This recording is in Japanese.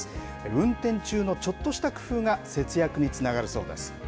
運転中のちょっとした工夫が節約につながるそうです。